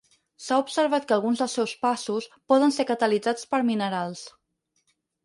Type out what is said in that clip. S'ha observat que alguns dels seus passos poden ser catalitzats per minerals.